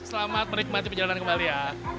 selamat menikmati perjalanan kembali ya